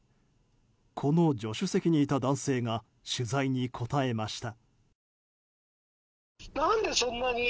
この助手席にいた男性が取材に答えました。